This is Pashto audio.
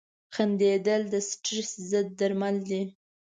• خندېدل د سټرېس ضد درمل دي.